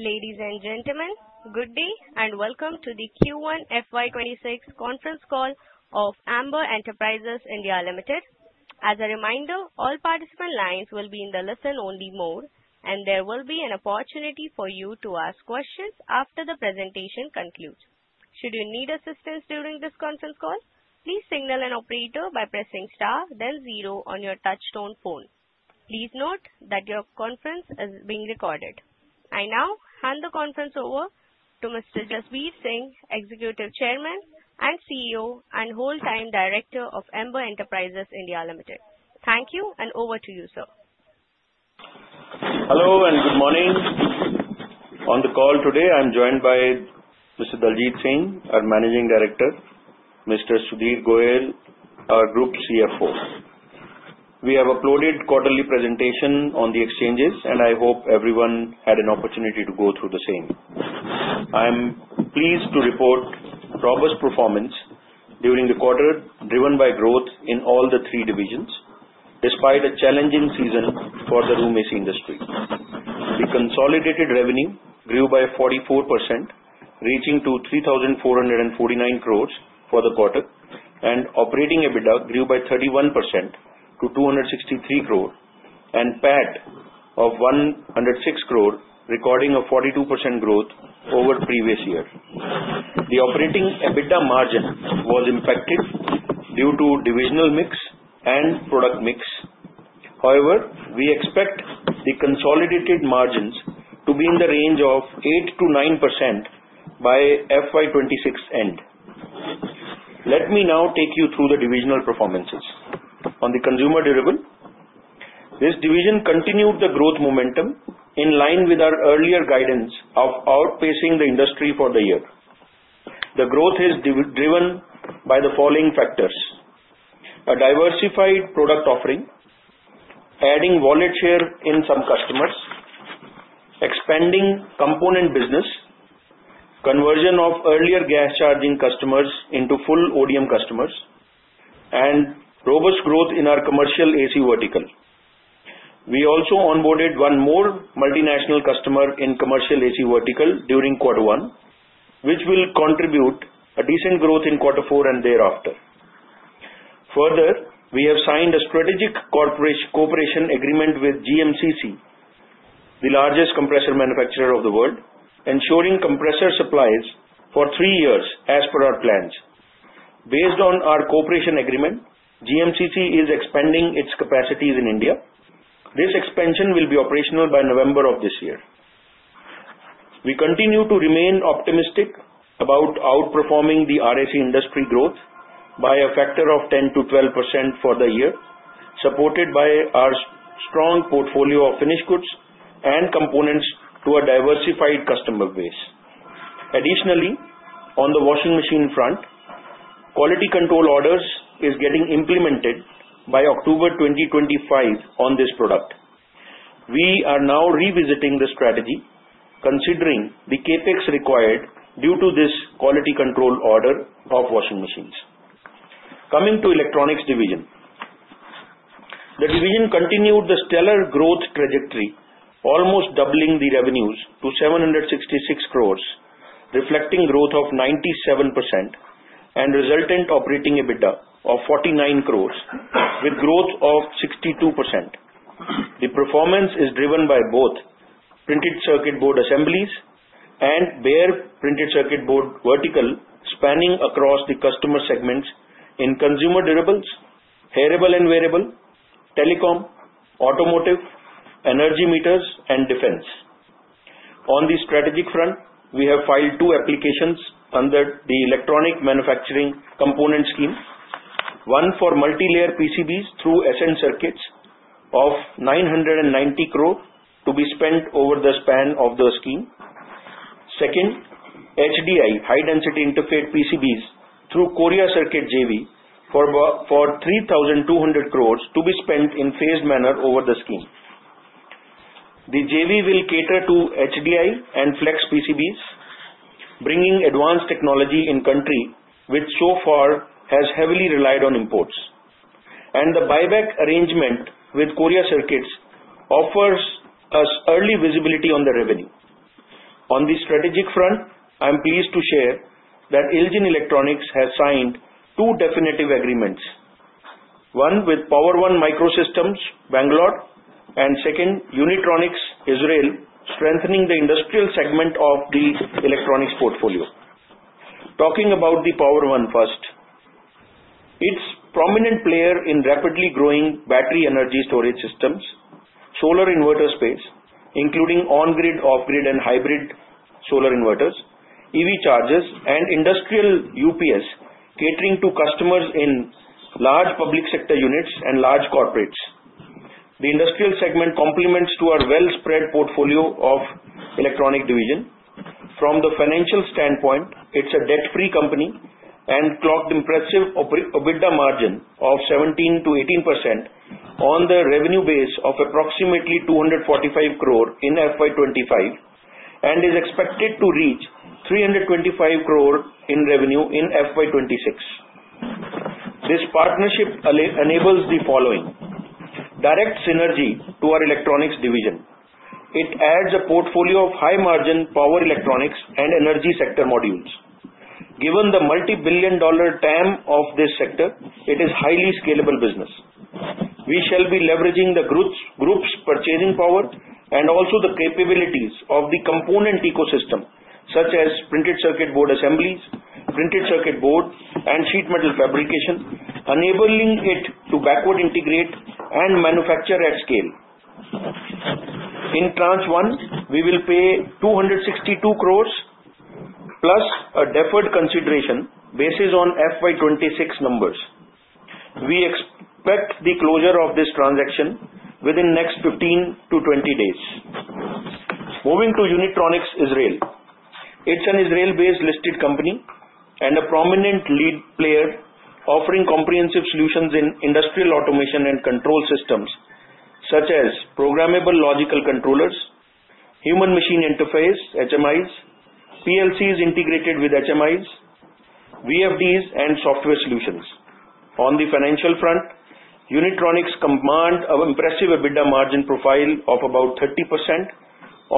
Ladies and gentlemen, good day and welcome to the Q1 FY 2026 Conference Call of Amber Enterprises India Limited. As a reminder, all participant lines will be in the listen-only mode, and there will be an opportunity for you to ask questions after the presentation concludes. Should you need assistance during this conference call, please signal an operator by pressing star, then zero on your touch-tone phone. Please note that your conference is being recorded. I now hand the conference over to Mr. Jasbir Singh, Executive Chairman and CEO and Whole-time Director of Amber Enterprises India Limited. Thank you and over to you, sir. Hello and good morning. On the call today, I'm joined by Mr. Daljit Singh, our Managing Director, and Mr. Sudhir Goyal, our Group CFO. We have uploaded quarterly presentations on the exchanges, and I hope everyone had an opportunity to go through the same. I am pleased to report robust performance during the quarter driven by growth in all the three divisions, despite a challenging season for the Room AC industry. The consolidated revenue grew by 44%, reaching 3,449 crores for the quarter, and operating EBITDA grew by 31% to 263 crores and a PAT of 106 crores, recording a 42% growth over the previous year. The operating EBITDA margin was impacted due to divisional mix and product mix. However, we expect the consolidated margins to be in the range of 8%-9% by FY 2026's end. Let me now take you through the divisional performances. On the consumer durable, this division continued the growth momentum in line with our earlier guidance of outpacing the industry for the year. The growth is driven by the following factors: a diversified product offering, adding wallet share in some customers, expanding component business, conversion of earlier gas charging customers into full ODM customers, and robust growth in our Commercial AC vertical. We also onboarded one more multinational customer in Commercial AC vertical during quarter one, which will contribute to a decent growth in quarter four and thereafter. Further, we have signed a strategic cooperation agreement with GMCC, the largest compressor manufacturer of the world, ensuring compressor supplies for three years as per our plans. Based on our cooperation agreement, GMCC is expanding its capacities in India. This expansion will be operational by November of this year. We continue to remain optimistic about outperforming the RAC industry growth by a factor of 10%-12% for the year, supported by our strong portfolio of finished goods and components to a diversified customer base. Additionally, on the washing machine front, quality control orders are getting implemented by October 2025 on this product. We are now revisiting the strategy, considering the CapEx required due to this quality control order of washing machines. Coming to the electronics division. The division continued the stellar growth trajectory, almost doubling the revenues to 766 crores, reflecting a growth of 97% and a resultant operating EBITDA of 49 crores, with a growth of 62%. The performance is driven by both printed circuit board assemblies and bare PCBs verticals spanning across the customer segments in consumer durables, wearable and hearables, telecom, automotive, energy meters, and defense. On the strategic front, we have filed two applications under the electronics manufacturing component scheme, one for multi-layer PCBs through Ascent Circuits of 990 crores to be spent over the span of the scheme. Second, HDI high-density interconnect PCBs through Korea Circuits JV for 3,200 crores to be spent in a phased manner over the scheme. The JV will cater to HDI and flex PCBs, bringing advanced technology in the country which so far has heavily relied on imports and the buyback arrangement with Korea Circuits offers us early visibility on the revenue. On the strategic front, I am pleased to share that IL JIN Electronics has signed two definitive agreements, one with Power One Microsystems Bangalore and second Unitronics Israel, strengthening the industrial segment of the electronics portfolio. Talking about the Power One first. It's a prominent player in rapidly growing battery energy storage systems, solar inverter space, including on-grid, off-grid, and hybrid solar inverters, EV chargers, and industrial UPS, catering to customers in large public sector units and large corporates. The industrial segment complements our well-spread portfolio of the electronics division. From the financial standpoint, it's a net debt-free company and clocked an impressive EBITDA margin of 17%-18% on the revenue base of approximately 245 crores in FY 2025 and is expected to reach 325 crores in revenue in FY 2026. This partnership enables the following: direct synergy to our electronics division. It adds a portfolio of high-margin power electronics and energy sector modules. Given the multi-billion dollar TAM of this sector, it is a highly scalable business. We shall be leveraging the group's purchasing power and also the capabilities of the component ecosystem, such as printed circuit board assemblies, bare PCBs, and sheet metal fabrication, enabling it to backward integrate and manufacture at scale. In tranche one, we will pay 262 crores plus a deferred consideration based on FY 2026 numbers. We expect the closure of this transaction within the next 15-20 days. Moving to Unitronics Israel, it's an Israel-based listed company and a prominent lead player offering comprehensive solutions in industrial automation and control systems, such as programmable logic controllers, human-machine interface, HMIs, PLCs integrated with HMIs, VFDs, and software solutions. On the financial front, Unitronics commands an impressive EBITDA margin profile of about 30%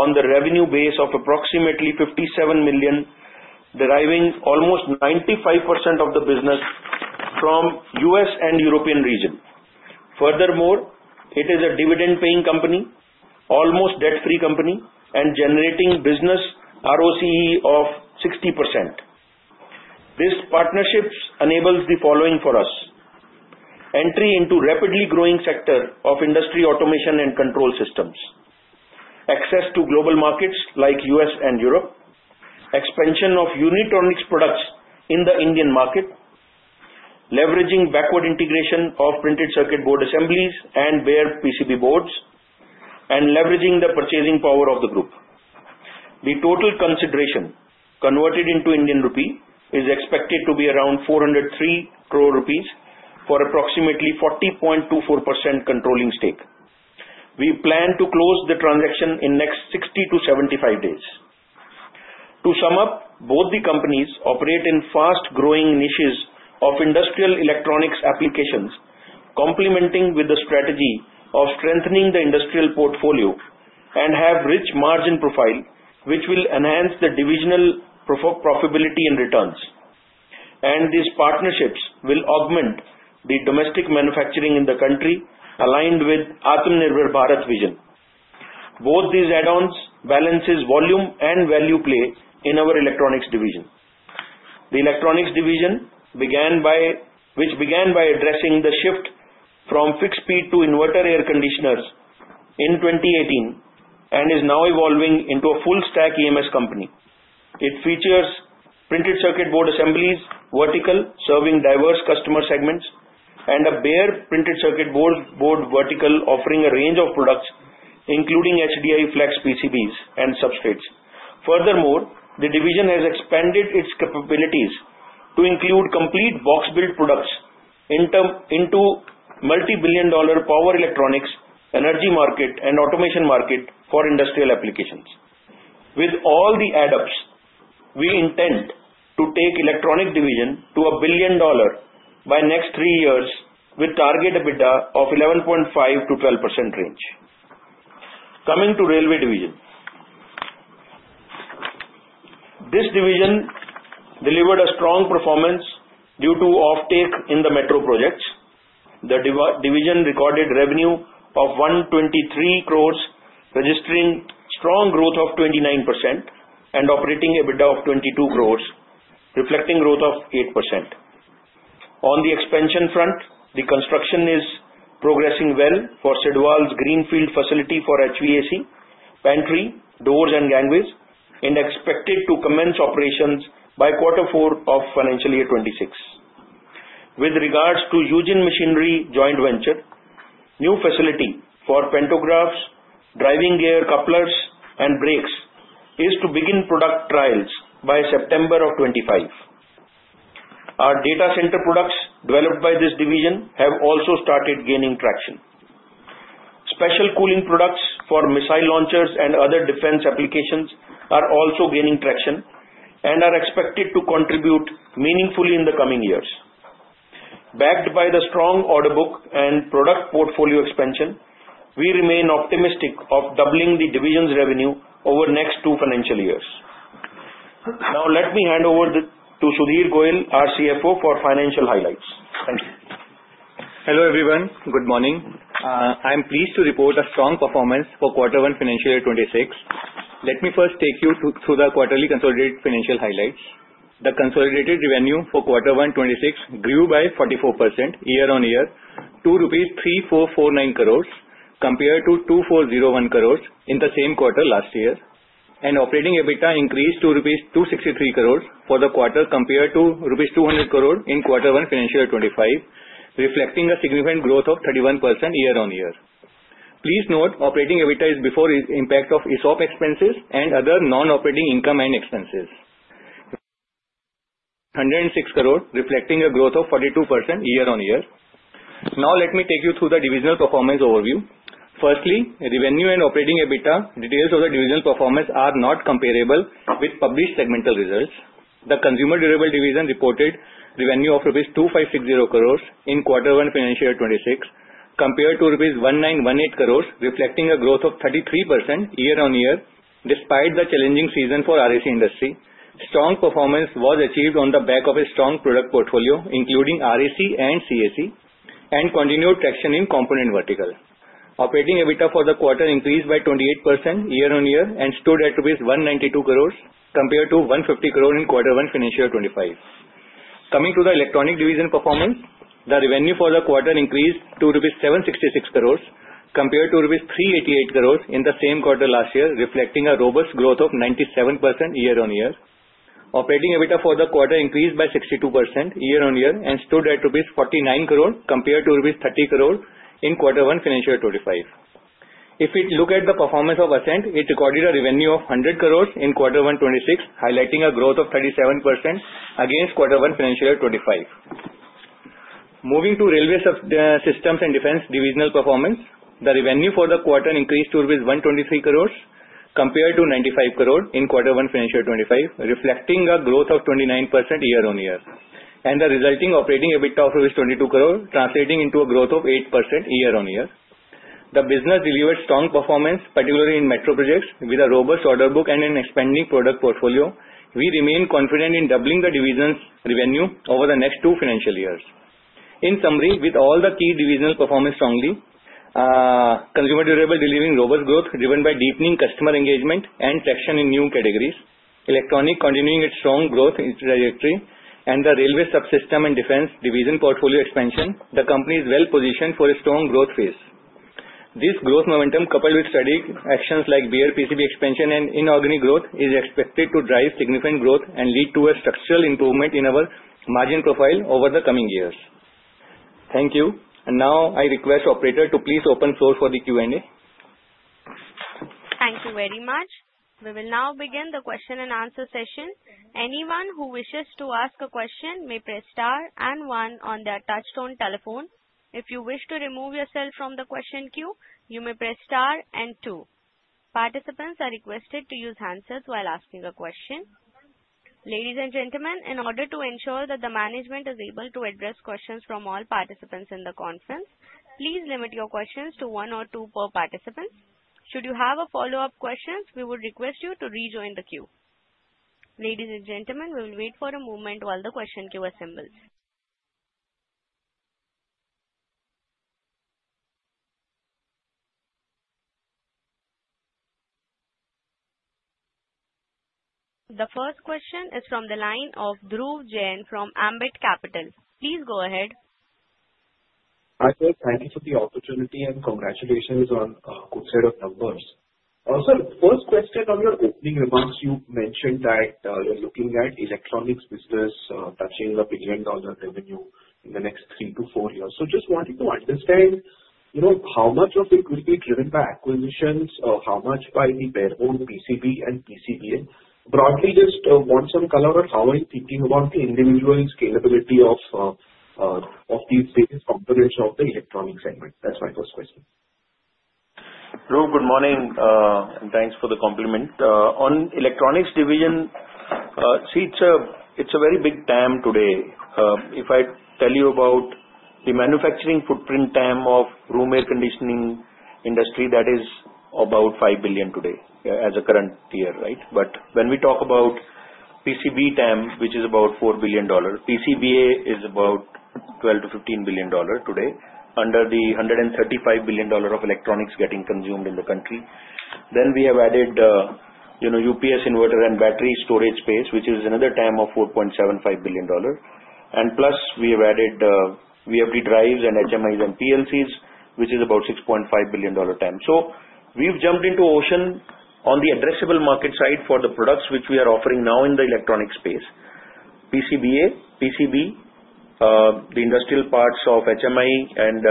on the revenue base of approximately $57 million, deriving almost 95% of the business from the U.S. and European region. Furthermore, it is a dividend-paying company, almost a debt-free company, and generating a business ROCE of 60%. This partnership enables the following for us: entry into a rapidly growing sector of industry automation and control systems, access to global markets like the U.S. and Europe, expansion of Unitronics products in the Indian market, leveraging backward integration of printed circuit board assemblies and bare PCBs, and leveraging the purchasing power of the group. The total consideration converted into Indian rupees is expected to be around 403 crores rupees for approximately 40.24% controlling stake. We plan to close the transaction in the next 60-75 days. To sum up, both the companies operate in fast-growing niches of industrial electronics applications, complementing with the strategy of strengthening the industrial portfolio, and have a rich margin profile which will enhance the divisional profitability and returns. These partnerships will augment the domestic manufacturing in the country, aligned with the Atmanirbhar vision. Both these add-ons balance volume and value play in our electronics division. The electronics division began by addressing the shift from fixed-speed to inverter air conditioners in 2018 and is now evolving into a full-stack EMS company. It features printed circuit board assemblies vertically, serving diverse customer segments, and a bare printed circuit board vertically, offering a range of products, including HDI flex PCBs and substrates. Furthermore, the division has expanded its capabilities to include complete box-built products into multi-billion dollar power electronics, energy market, and automation market for industrial applications. With all the add-ups, we intend to take the electronics division to a billion dollars by the next three years, with a target EBITDA of 11.5%-12% range. Coming to the railway division, this division delivered a strong performance due to offtake in the metro projects. The division recorded a revenue of 123 crores, registering a strong growth of 29%, and operating EBITDA of 22 crores, reflecting a growth of 8%. On the expansion front, the construction is progressing well for Sidwal's greenfield facility for HVAC, pantry, doors, and gangways, and is expected to commence operations by quarter four of financial year 2026. With regards to Eugene Machinery joint venture, the new facility for pantographs, driving gear, couplers, and brakes is to begin product trials by September of 2025. Our data center products developed by this division have also started gaining traction. Special cooling products for missile launchers and other defense applications are also gaining traction and are expected to contribute meaningfully in the coming years. Backed by the strong order book and product portfolio expansion, we remain optimistic about doubling the division's revenue over the next two financial years. Now, let me hand over to Sudhir Goyal, our CFO, for financial highlights. Thank you. Hello everyone, good morning. I am pleased to report a strong performance for quarter one financial year 2026. Let me first take you through the quarterly consolidated financial highlights. The consolidated revenue for quarter one 2026 grew by 44% year-on-year, to 3,449 crores compared to 2,401 crores in the same quarter last year, and operating EBITDA increased to rupees 263 crores for the quarter compared to rupees 200 crores in quarter one financial year 2025, reflecting a significant growth of 31% year-on-year. Please note operating EBITDA is before the impact of ESOP expenses and other non-operating income and expenses. 106 crores, reflecting a growth of 42% year-on-year. Now, let me take you through the divisional performance overview. Firstly, revenue and operating EBITDA details of the divisional performance are not comparable with published segmental results. The consumer durable division reported a revenue of rupees 2,560 crores in quarter one financial year 2026 compared to rupees 1,918 crores, reflecting a growth of 33% year-on-year. Despite the challenging season for the RAC industry, strong performance was achieved on the back of a strong product portfolio, including RAC and CAC, and continued traction in component verticals. Operating EBITDA for the quarter increased by 28% year-on-year and stood at rupees 192 crores compared to 150 crores in quarter one financial year 2025. Coming to the electronics division performance, the revenue for the quarter increased to rupees 766 crores compared to rupees 388 crores in the same quarter last year, reflecting a robust growth of 97% year-on-year. Operating EBITDA for the quarter increased by 62% year-on-year and stood at INR 49 crores compared to INR 30 crores in quarter one financial year 2025. If we look at the performance of Ascent, it recorded a revenue of 100 crores in quarter one 2026, highlighting a growth of 37% against quarter one financial year 2025. Moving to railway systems and defense divisional performance, the revenue for the quarter increased to rupees 123 crores compared to 95 crores in quarter one financial year 2025, reflecting a growth of 29% year-on-year, and the resulting operating EBITDA of 22 crores, translating into a growth of 8% year-on-year. The business delivered strong performance, particularly in metro projects, with a robust order book and an expanding product portfolio. We remain confident in doubling the division's revenue over the next two financial years. In summary, with all the key divisional performance strongly, consumer durable delivering robust growth driven by deepening customer engagement and traction in new categories, electronics continuing its strong growth trajectory, and the railway subsystem and defense division portfolio expansion, the company is well-positioned for a strong growth phase. This growth momentum, coupled with steady actions like bare PCB expansion and inorganic growth, is expected to drive significant growth and lead to a structural improvement in our margin profile over the coming years. Thank you. I request the operator to please open the floor for the Q&A. Thank you very much. We will now begin the question and answer session. Anyone who wishes to ask a question may press star and one on their touch-tone telephone. If you wish to remove yourself from the question queue, you may press star and two. Participants are requested to use handsets while asking a question. Ladies and gentlemen, in order to ensure that the management is able to address questions from all participants in the conference, please limit your questions to one or two per participant. Should you have follow-up questions, we would request you to rejoin the queue. Ladies and gentlemen, we will wait for a moment while the question queue assembles. The first question is from the line of Dhruv Jain from Ambit Capital. Please go ahead. Hi, sir. Thank you for the opportunity and congratulations on a good set of numbers. First question on your opening remarks, you mentioned that you're looking at the electronics business touching a billion dollar revenue in the next three to four years. Just wanting to understand how much of it would be driven by acquisitions or how much by the bare PCBs and PCBA. Broadly, just want some color on how I'm thinking about the individual scalability of these different components of the electronics segment. That's my first question. Dhruv, good morning, and thanks for the compliment. On the electronics division, see, it's a very big TAM today. If I tell you about the manufacturing footprint TAM of the Room Air Conditioners industry, that is about $5 billion today as a current tier, right? When we talk about PCB TAM, which is about $4 billion, PCBA is about $12 billion-$15 billion today under the $135 billion of electronics getting consumed in the country. We have added, you know, UPS inverter and battery storage space, which is another TAM of $4.75 billion. Plus, we have added VFD drives and HMIs and PLCs, which is about $6.5 billion TAM. We've jumped into the ocean on the addressable market side for the products which we are offering now in the electronics space: PCBA, PCB, the industrial parts of HMI and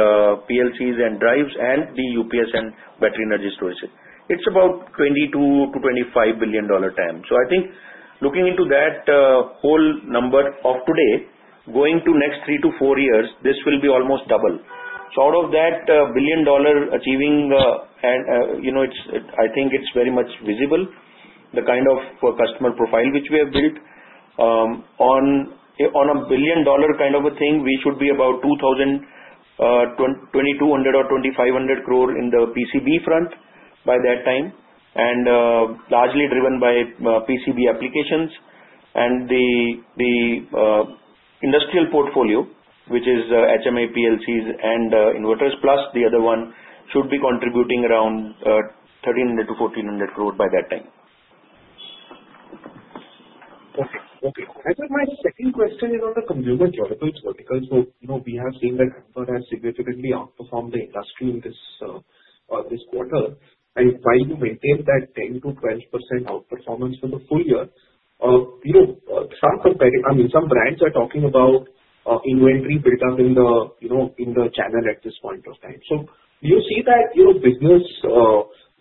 PLCs and drives, and the UPS and battery energy storage. It's about $22 billion-$25 billion TAM. I think looking into that whole number of today, going to the next three to four years, this will be almost double. Out of that, billion dollar achieving, and, you know, I think it's very much visible the kind of customer profile which we have built. On a billion dollar kind of a thing, we should be about 2,200 or 2,500 crores in the PCB front by that time, and largely driven by PCB applications. The industrial portfolio, which is HMI, PLCs, and inverters, plus the other one, should be contributing around 1,300-1,400 crores by that time. Okay. I think my second question is on the consumer durable verticals. We have seen that Amber has significantly outperformed the industry in this quarter. While you maintain that 10%-12% outperformance for the full year, some brands are talking about inventory build-up in the channel at this point of time. Do you see that business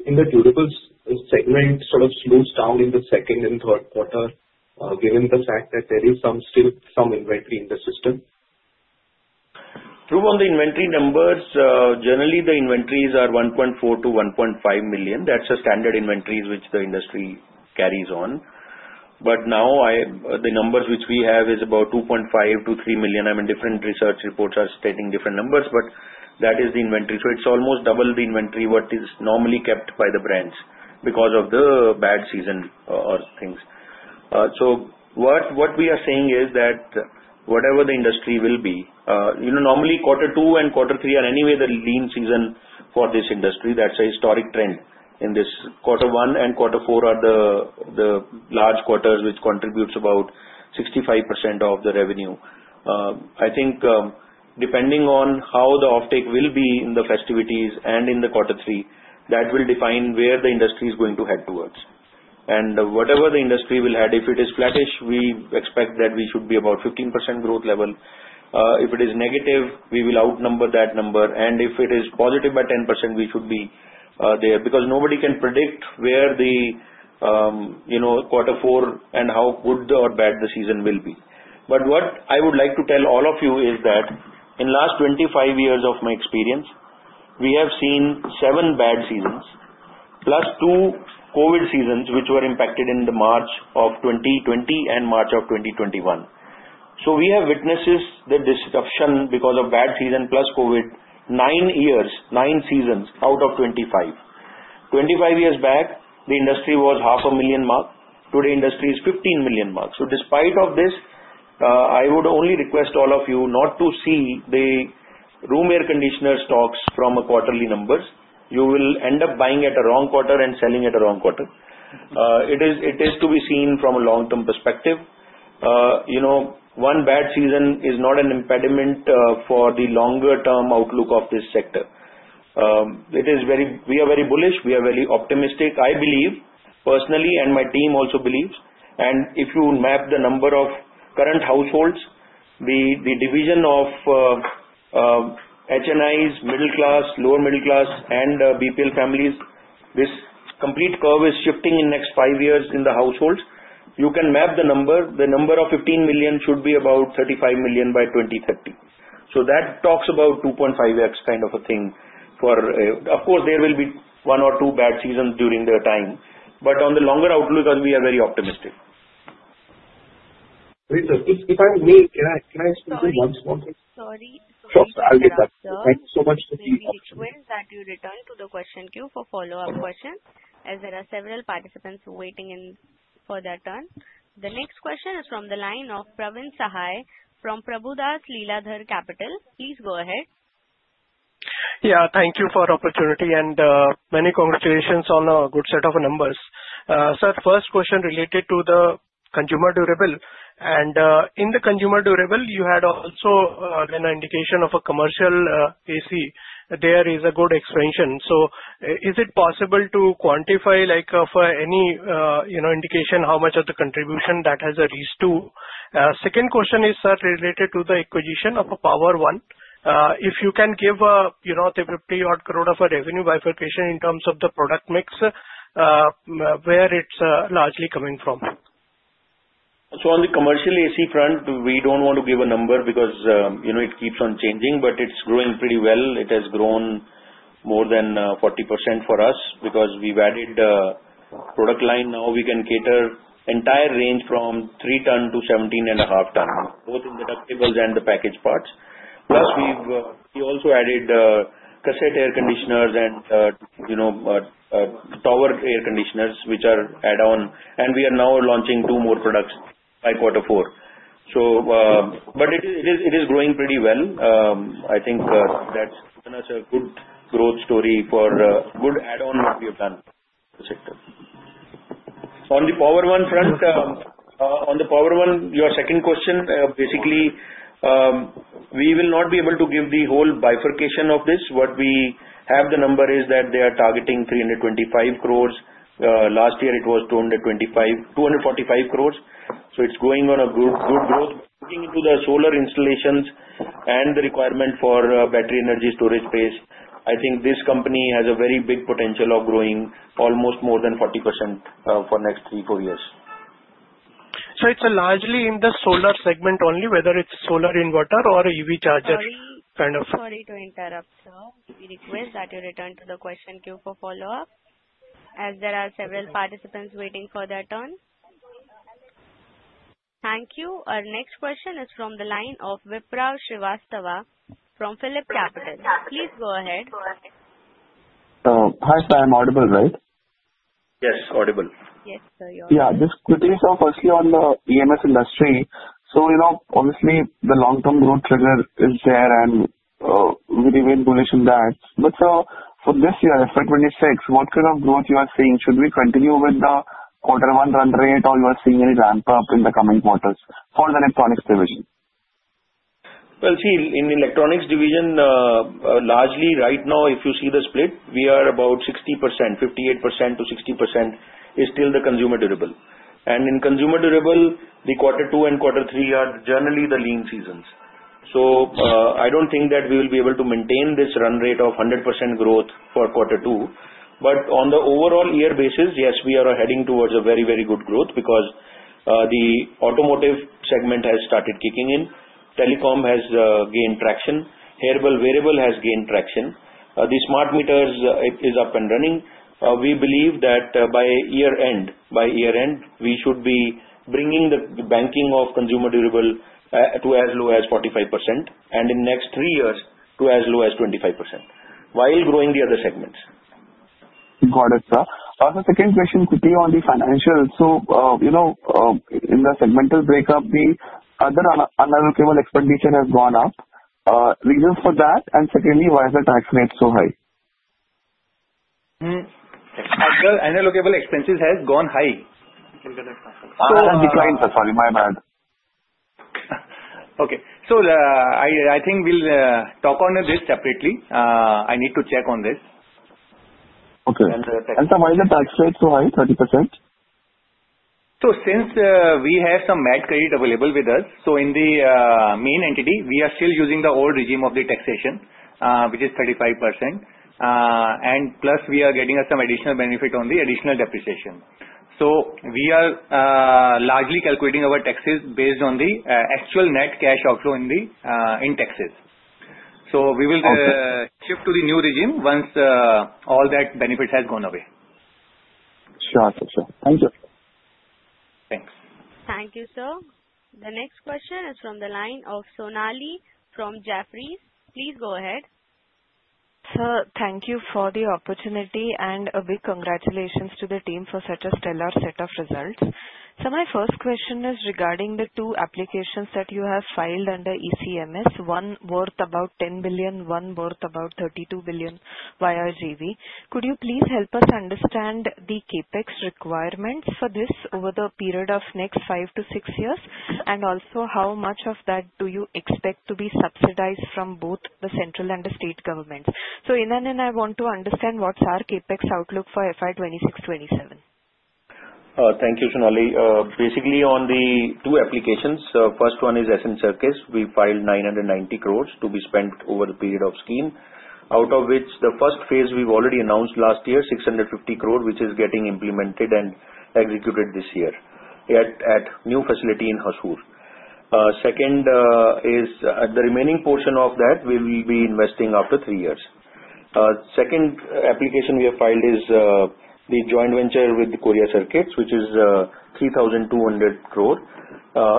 in the durable segment sort of slows down in the second and third quarter, given the fact that there is still some inventory in the system? Dhruv, on the inventory numbers, generally, the inventories are 1.4 million-1.5 million. That's the standard inventories which the industry carries on. Now, the numbers which we have are about 2.5 million-3 million. I mean, different research reports are stating different numbers, but that is the inventory. It's almost double the inventory what is normally kept by the brands because of the bad season or things. What we are saying is that whatever the industry will be, you know, normally, quarter two and quarter three are anyway the lean season for this industry. That's a historic trend. Quarter one and quarter four are the large quarters which contribute about 65% of the revenue. I think, depending on how the offtake will be in the festivities and in the quarter three, that will define where the industry is going to head towards. Whatever the industry will have, if it is flattish, we expect that we should be about 15% growth level. If it is negative, we will outnumber that number. If it is positive by 10%, we should be there because nobody can predict where the, you know, quarter four and how good or bad the season will be. What I would like to tell all of you is that in the last 25 years of my experience, we have seen seven bad seasons plus two COVID seasons which were impacted in March 2020 and March 2021. We have witnessed the disruption because of bad season plus COVID, nine years, nine seasons out of 25. Twenty-five years back, the industry was half a million mark. Today, the industry is 15 million mark. Despite all this, I would only request all of you not to see the Room Air Conditioner stocks from the quarterly numbers. You will end up buying at the wrong quarter and selling at the wrong quarter. It is to be seen from a long-term perspective. You know, one bad season is not an impediment for the longer-term outlook of this sector. We are very bullish. We are very optimistic. I believe, personally, and my team also believes, and if you map the number of current households, the division of HNIs, middle class, lower middle class, and BPL families, this complete curve is shifting in the next five years in the households. You can map the number. The number of 15 million should be about 35 million by 2030. That talks about 2.5X kind of a thing for, of course, there will be one or two bad seasons during their time. On the longer outlook, we are very optimistic. Wait, sir, if I may, can I speak to one small thing? Sorry. Sure, I'll get back. Thank you so much. We will continue in that you return to the question queue for follow-up questions, as there are several participants waiting for their turn. The next question is from the line of Praveen Sahay from Prabhudas Lilladher Capital. Please go ahead. Thank you for the opportunity and many congratulations on a good set of numbers. Sir, first question related to the consumer durable. In the consumer durable, you had also an indication of a commercial AC. There is a good expansion. Is it possible to quantify, like for any indication, how much of the contribution that has reached to? Second question is, sir, related to the acquisition of Power One. If you can give a 30-odd crores of revenue bifurcation in terms of the product mix, where it's largely coming from? On the commercial AC front, we don't want to give a number because, you know, it keeps on changing, but it's growing pretty well. It has grown more than 40% for us because we've added a product line. Now we can cater the entire range from 3 ton to 17.5 ton, both in the deductibles and the packaged parts. Plus, we've also added cassette air conditioners and, you know, tower air conditioners, which are add-on. We are now launching two more products by quarter four. It is growing pretty well. I think that's given us a good growth story for a good add-on that we have done in the sector. On the Power One front, your second question, basically, we will not be able to give the whole bifurcation of this. What we have, the number is that they are targeting 325 crores. Last year, it was 245 crores. It's going on a good, good growth. Looking into the solar installations and the requirement for battery energy storage space, I think this company has a very big potential of growing almost more than 40% for the next three, four years. It is largely in the solar segment only, whether it's solar inverter or EV charger kind of. Sorry to interrupt, sir. We request that you return to the question queue for follow-up, as there are several participants waiting for their turn. Thank you. Our next question is from the line of Vipraw Srivastava from PhilipCapital. Please go ahead. Hi, sir. I'm audible, right? Yes, you're audible. Yes, sir. You're audible. This question is firstly on the EMS industry. Obviously, the long-term growth trigger is there, and we remain bullish in that. For this year, FY 2026, what kind of growth are you seeing? Should we continue with the quarter one run rate, or are you seeing any ramp-up in the coming quarters for the electronics division? In the electronics division, largely right now, if you see the split, we are about 60%, 58% to 60% is still the consumer durable. In consumer durable, the quarter two and quarter three are generally the lean seasons. I don't think that we will be able to maintain this run rate of 100% growth for quarter two. On the overall year basis, yes, we are heading towards a very, very good growth because the automotive segment has started kicking in. Telecom has gained traction. Air variable has gained traction. The smart meters is up and running. We believe that by year-end, we should be bringing the banking of consumer durable to as low as 45% and in the next three years to as low as 25% while growing the other segments. Got it, sir. Sir, the second question could be on the financials. In the segmental breakup, the other unallocable expenditure has gone up. What are the reasons for that? Secondly, why is the tax rate so high? Unallocable expenses have gone high. Oh, it declined, sir. Sorry. My bad. Okay, I think we'll talk on this separately. I need to check on this. Okay. Sir, why is the tax rate so high, 30%? Since we have some MAT credit available with us, in the main entity, we are still using the old regime of the taxation, which is 35%. Plus, we are getting some additional benefit on the additional depreciation. We are largely calculating our taxes based on the actual net cash outflow in taxes. We will shift to the new regime once all that benefit has gone away. Got it, sir. Thank you. Thanks. Thank you, sir. The next question is from the line of Sonali from Jefferies. Please go ahead. Sir, thank you for the opportunity and a big congratulations to the team for such a stellar set of results. My first question is regarding the two applications that you have filed under the electronics manufacturing component scheme, one worth about 10 billion, one worth about 32 billion via JV. Could you please help us understand the CapEx requirements for this over the period of the next five to six years? Also, how much of that do you expect to be subsidized from both the central and the state governments? In that end, I want to understand what's our CapEx outlook for FY 2026-FY 2027. Thank you, Sonali. Basically, on the two applications, the first one is Ascent Circuits. We filed 990 crores to be spent over the period of the scheme, out of which the first phase we've already announced last year, 650 crores, which is getting implemented and executed this year at a new facility in Hosur. The second is the remaining portion of that we will be investing after three years. The second application we have filed is the joint venture with Korea Circuits, which is 3,200 crores.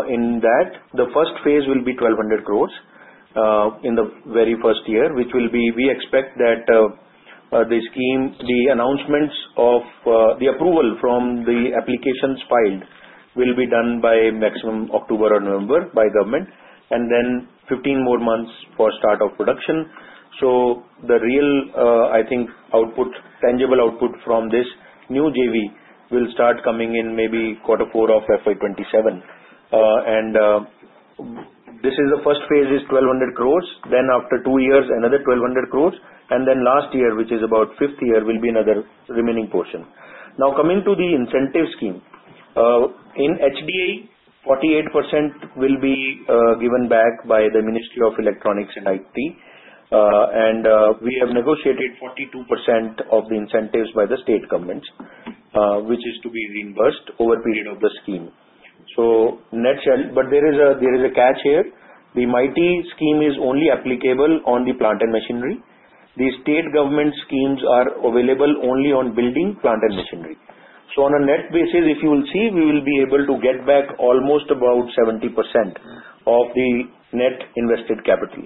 In that, the first phase will be 1,200 crores in the very first year. We expect that the scheme, the announcements of the approval from the applications filed, will be done by maximum October or November by the government, and then 15 more months for the start of production. The real, I think, output, tangible output from this new JV will start coming in maybe quarter four of FY 2027. This is the first phase, 1,200 crores. Then after two years, another 1,200 crores, and then the last year, which is about the fifth year, will be another remaining portion. Now, coming to the incentive scheme, in HDI, 48% will be given back by the Ministry of Electronics and IT. We have negotiated 42% of the incentives by the state governments, which is to be reimbursed over the period of the scheme. There is a catch here. The MITI scheme is only applicable on the plant and machinery. The state government schemes are available only on building, plant, and machinery. On a net basis, if you will see, we will be able to get back almost about 70% of the net invested capital.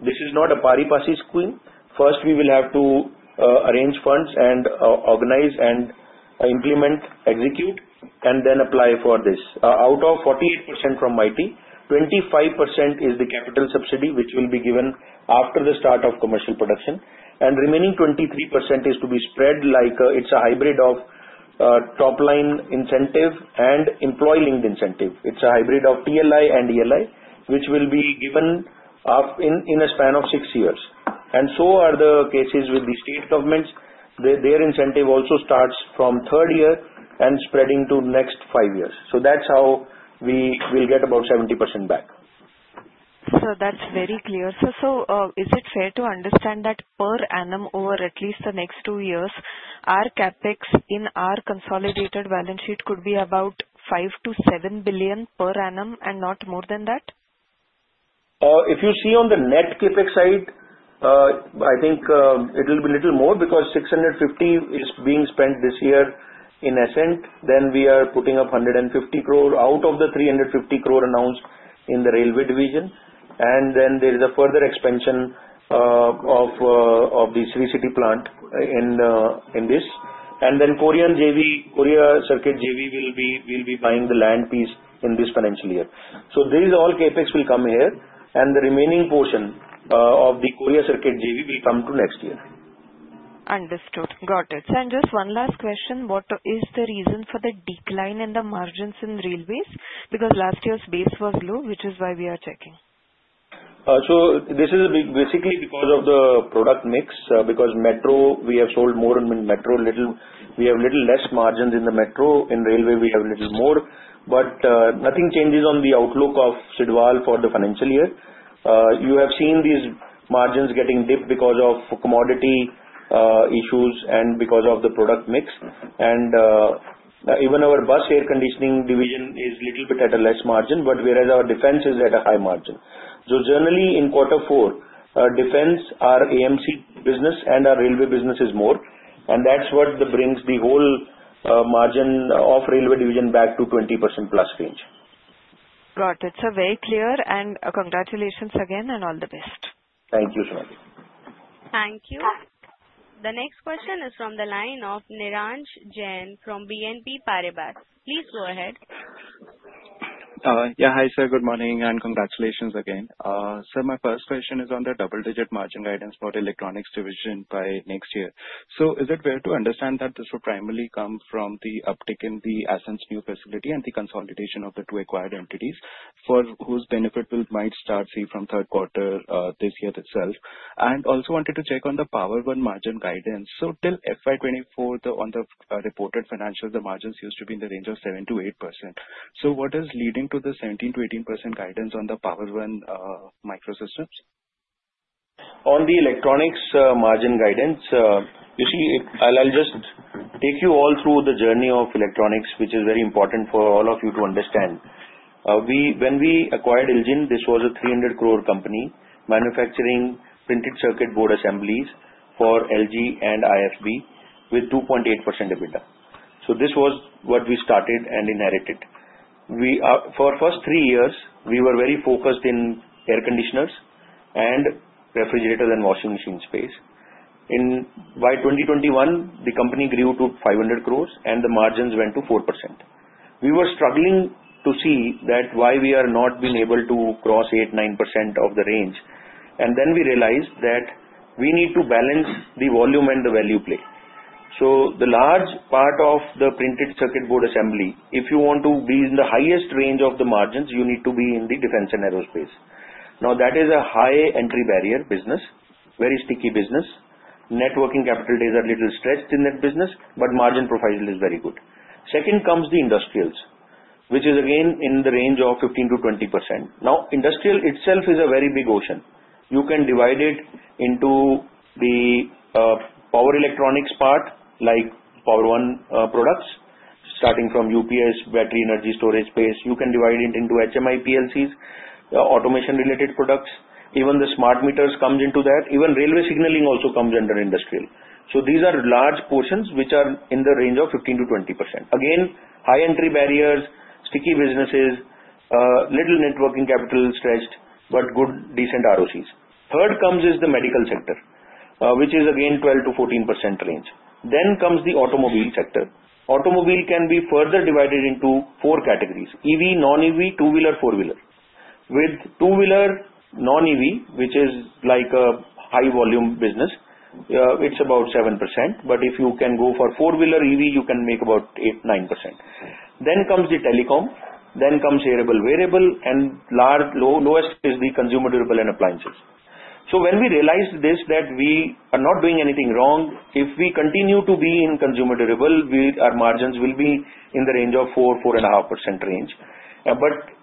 This is not a pari-passu scheme. First, we will have to arrange funds and organize and implement, execute, and then apply for this. Out of 48% from MITI, 25% is the capital subsidy, which will be given after the start of commercial production. The remaining 23% is to be spread like it's a hybrid of top-line incentive and employee-linked incentive. It's a hybrid of TLI and ELI, which will be given in a span of six years. The cases with the state governments are similar. Their incentive also starts from the third year and spreads to the next five years. That's how we will get about 70% back. Sir, that's very clear. Is it fair to understand that per annum over at least the next two years, our CapEx in our consolidated balance sheet could be about 5 billion-7 billion per annum and not more than that? If you see on the net CapEx side, I think it will be a little more because 650 crores is being spent this year in Ascent. We are putting up 150 crores out of the 350 crores announced in the railway division. There is a further expansion of the Sri City plant in this. Korea Circuits JV will be buying the land piece in this financial year. These all CapEx will come here. The remaining portion of the Korea Circuits JV will come to next year. Understood. Got it. Sir, and just one last question. What is the reason for the decline in the margins in the railways? Because last year's base was low, which is why we are checking. This is basically because of the product mix. Because Metro, we have sold more in Metro. We have a little less margins in the Metro. In railway, we have a little more. Nothing changes on the outlook of Sidwal for the financial year. You have seen these margins getting dipped because of commodity issues and because of the product mix. Even our bus air conditioning division is a little bit at a less margin, whereas our defense is at a high margin. Generally, in quarter four, defense, our AMC business, and our railway business is more. That's what brings the whole margin of the railway division back to the 20%+ range. Got it. Sir, very clear. Congratulations again and all the best. Thank you, Sonali. Thank you. The next question is from the line of Nirransh Jain from BNP Paribas. Please go ahead. Yeah. Hi, sir. Good morning and congratulations again. Sir, my first question is on the double-digit margin guidance for the electronics division by next year. Is it fair to understand that this would primarily come from the uptake in the Ascent's new facility and the consolidation of the two acquired entities for whose benefit we might start seeing from third quarter this year itself? I also wanted to check on the Power One margin guidance. Till FY 2024, on the reported financials, the margins used to be in the range of 7%-8%. What is leading to the 17%-18% guidance on the Power One Microsystems? On the electronics margin guidance, you see, I'll just take you all through the journey of electronics, which is very important for all of you to understand. When we acquired IL JIN Electronics, this was a 300 crores company manufacturing printed circuit board assemblies for LG and IFB with 2.8% EBITDA. This was what we started and inherited. For the first three years, we were very focused on air conditioners and refrigerators and washing machine space. By 2021, the company grew to 500 crores, and the margins went to 4%. We were struggling to see why we are not being able to cross 8%, 9% of the range. We realized that we need to balance the volume and the value play. The large part of the printed circuit board assembly, if you want to be in the highest range of the margins, you need to be in the defense and aerospace. That is a high entry barrier business, very sticky business. Networking capital is a little stretched in that business, but margin profile is very good. Second comes the industrials, which is again in the range of 15%-20%. Industrial itself is a very big ocean. You can divide it into the power electronics part, like Power One Microsystems products, starting from UPS, battery energy storage space. You can divide it into HMI, PLCs, automation-related products. Even the smart meters come into that. Even railway signaling also comes under industrial. These are large portions which are in the range of 15%-20%. Again, high entry barriers, sticky businesses, a little networking capital stretched, but good, decent ROCs. Third comes the medical sector, which is again 12%-14% range. Then comes the automobile sector. Automobile can be further divided into four categories: EV, non-EV, two-wheeler, four-wheeler. With two-wheeler non-EV, which is like a high-volume business, it's about 7%. If you can go for four-wheeler EV, you can make about 8%, 9%. Then comes the telecom. Then comes air variable. The lowest is the consumer durable and appliances. When we realized this, that we are not doing anything wrong. If we continue to be in consumer durable, our margins will be in the range of 4%, 4.5% range.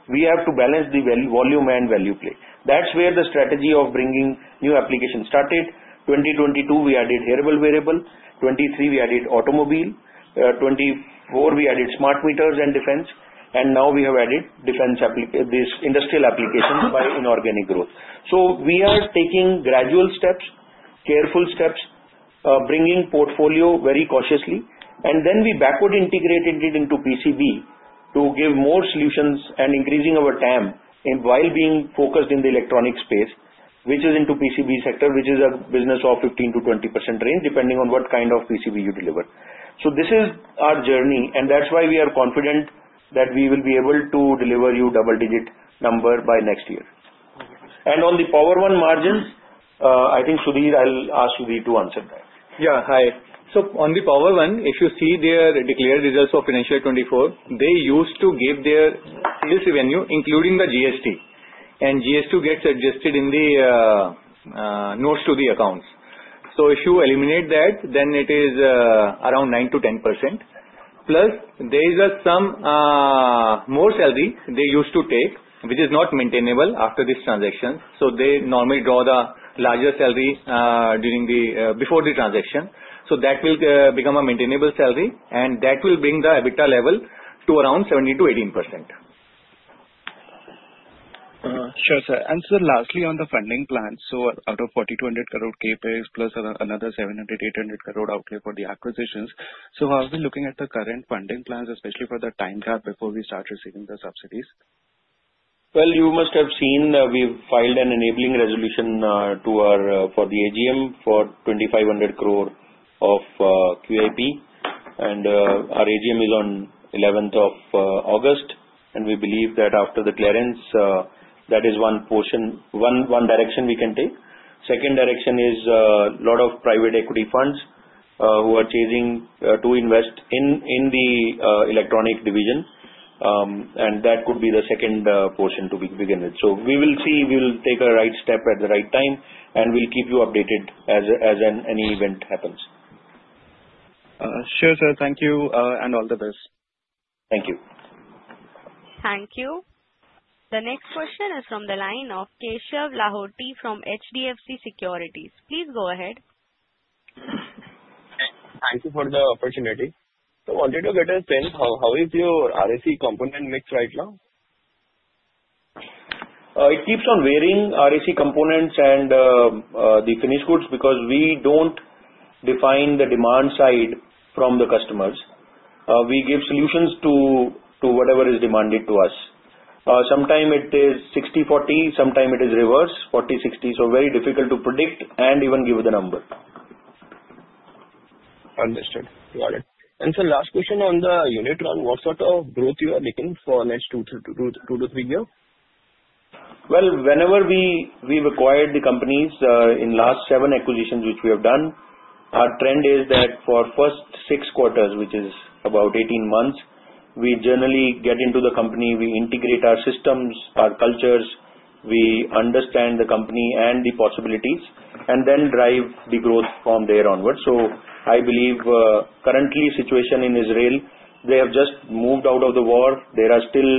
We have to balance the volume and value play. That's where the strategy of bringing new applications started. In 2022, we added air variable. In 2023, we added automobile. In 2024, we added smart meters and defense. Now we have added defense applications, these industrial applications by inorganic growth. We are taking gradual steps, careful steps, bringing the portfolio very cautiously. Then we backward integrated it into PCB to give more solutions and increase our TAM while being focused in the electronics space, which is into the PCB sector, which is a business of 15%-20% range, depending on what kind of PCB you deliver. This is our journey. That's why we are confident that we will be able to deliver you a double-digit number by next year. On the Power One margins, I think, Sudhir, I'll ask Sudhir to answer that. Yeah. Hi. On the Power One, if you see their declared results of financial year 2024, they used to give their revenue, including the GST. GST gets adjusted in the notes to the accounts. If you eliminate that, then it is around 9%-10%. Plus, there is some more salary they used to take, which is not maintainable after this transaction. They normally draw the larger salary before the transaction. That will become a maintainable salary, and that will bring the EBITDA level to around 17%-18%. Sure, sir. Lastly, on the funding plans, out of 4,200 crores of CapEx plus another 700-800 crores outlay for the acquisitions, have we been looking at the current funding plans, especially for the time gap before we start receiving the subsidies? You must have seen that we've filed an enabling resolution for the AGM for 2,500 crores of QIP. Our AGM is on August 11th. We believe that after the clearance, that is one direction we can take. The second direction is a lot of private equity funds who are choosing to invest in the electronics division, and that could be the second portion to begin with. We will see. We will take the right step at the right time. We'll keep you updated as any event happens. Sure, sir. Thank you and all the best. Thank you. Thank you. The next question is from the line of Keshav Lahoti from HDFC Securities. Please go ahead. Thank you for the opportunity. I wanted to get a sense, how is your RAC component mix right now? It keeps on varying, RAC components and the finished goods, because we don't define the demand side from the customers. We give solutions to whatever is demanded to us. Sometimes it is 60/40. Sometimes it is reverse, 40/60. Very difficult to predict and even give the number. Understood. Got it. Sir, last question on the unit run. What sort of growth are you looking for the next two to three years? Whenever we required the companies in the last seven acquisitions which we have done, our trend is that for the first six quarters, which is about 18 months, we generally get into the company. We integrate our systems, our cultures, we understand the company and the possibilities, and then drive the growth from there onwards. I believe currently, the situation in Israel, they have just moved out of the war. There are still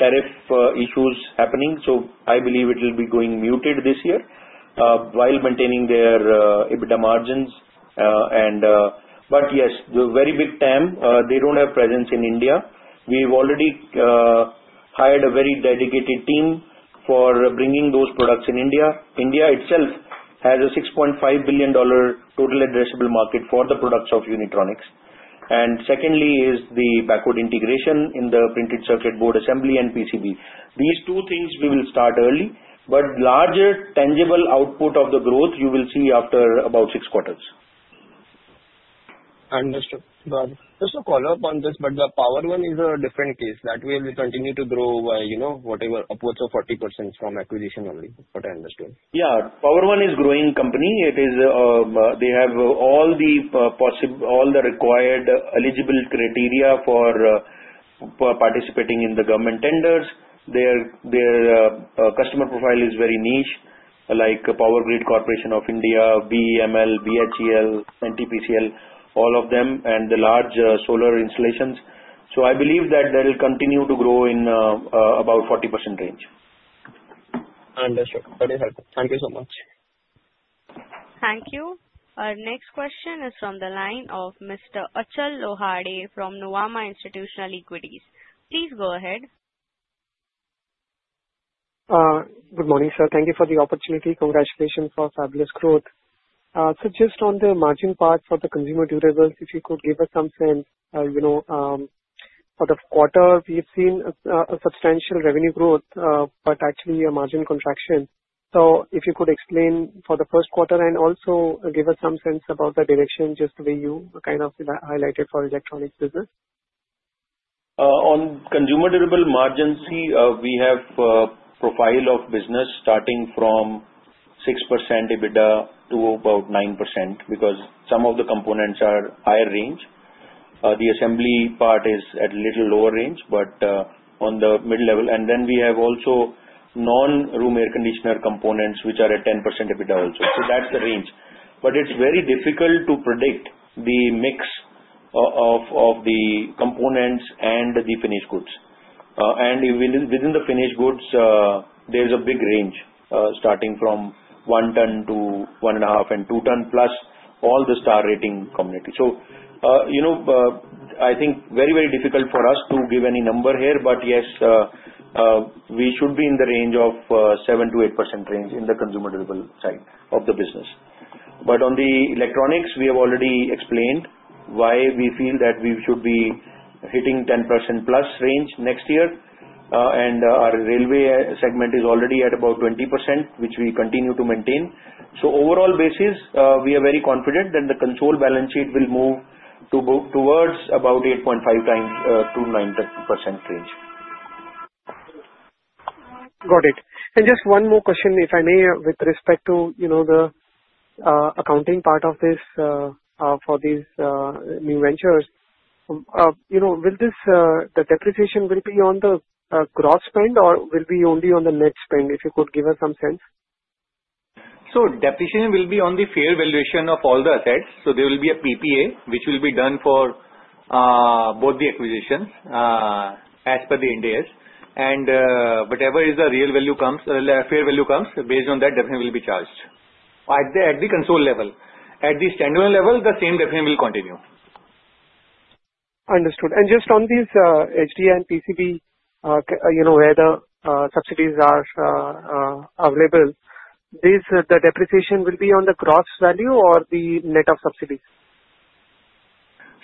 tariff issues happening. I believe it will be going muted this year while maintaining their EBITDA margins. Yes, the very big TAM, they don't have a presence in India. We've already hired a very dedicated team for bringing those products in India. India itself has a $6.5 billion total addressable market for the products of Unitronics Israel. Secondly is the backward integration in the printed circuit board assembly and PCB. These two things we will start early, but the larger tangible output of the growth, you will see after about six quarters. Understood. Got it. Just a follow-up on this, the Power One is a different case. That way, we continue to grow upwards of 40% from acquisition only, what I understood. Power One is a growing company. They have all the required eligibility criteria for participating in the government tenders. Their customer profile is very niche, like Power Grid Corporation of India, BML, BHEL, NTPC, all of them, and the large solar installations. I believe that they will continue to grow in about the 40% range. Understood. Very helpful. Thank you so much. Thank you. Our next question is from the line of Mr. Achal Lohade from Nuvama Institutional Equities. Please go ahead. Good morning, sir. Thank you for the opportunity. Congratulations for fabulous growth. Just on the margin part for the consumer durable, if you could give us something, you know, for the quarter, we have seen a substantial revenue growth, but actually a margin contraction. If you could explain for the first quarter and also give us some sense about the direction, just the way you kind of highlighted for the electronics business. On consumer durable margins, we have a profile of business starting from 6% EBITDA to about 9% because some of the components are higher range. The assembly part is at a little lower range, but on the mid-level. We have also non-Room Air Conditioner components, which are at 10% EBITDA also. That's the range. It's very difficult to predict the mix of the components and the finished goods. Within the finished goods, there's a big range, starting from 1 ton to 1.5 and 2 ton plus all the star rating components. I think it's very, very difficult for us to give any number here. Yes, we should be in the range of 7%-8% range in the consumer durable side of the business. On the electronics, we have already explained why we feel that we should be hitting the 10%+ range next year. Our railway segment is already at about 20%, which we continue to maintain. On an overall basis, we are very confident that the control balance sheet will move towards about 8.5% to the 9% range. Got it. Just one more question, if I may, with respect to the accounting part of this, for these new ventures. Will this, the depreciation, be on the gross spend or will it be only on the net spend? If you could give us some sense. Depreciation will be on the fair valuation of all the assets. There will be a PPA, which will be done for both the acquisitions, as per the NDAs. Whatever is the real value comes, the fair value comes based on that definition will be charged at the console level. At the standalone level, the same definition will continue. Understood. Just on these HDI PCBs, where the subsidies are available, the depreciation will be on the gross value or the net of subsidies?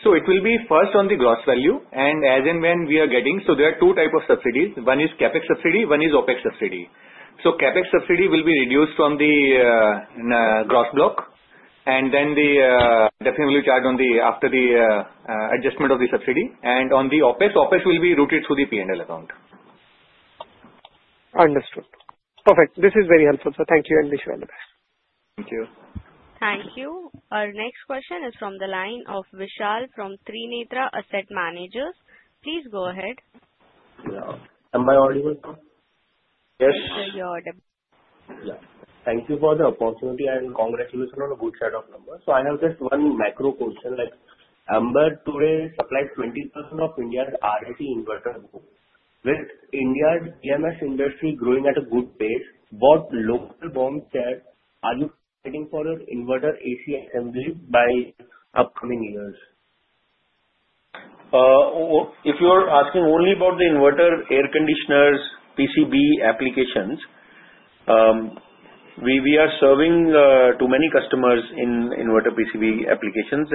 It will be first on the gross value. As and when we are getting, there are two types of subsidies. One is CapEx subsidy, one is OpEx subsidy. CapEx subsidy will be reduced from the gross block, and then definitely charged after the adjustment of the subsidy. On the OpEx, OpEx will be routed through the P&L account. Understood. Perfect. This is very helpful, sir. Thank you and wish you all the best. Thank you. Thank you. Our next question is from the line of Vishal from Trinitra Asset Managers. Please go ahead. Am I audible? Yes. You're audible. Thank you for the opportunity and congratulations on a good set of numbers. I have just one macro question. Amber today supplied 20% of India's R&D inverter boards. With India's EMS industry growing at a good pace, what local bond shares are you planning for your inverter AC assembly by upcoming years? If you're asking only about the inverter air conditioners PCB applications, we are serving too many customers in inverter PCB applications.